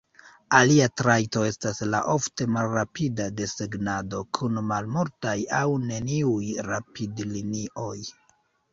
Alia trajto estas la ofte "malrapida" desegnado, kun malmultaj aŭ neniuj rapid-linioj.